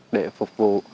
để phục vụ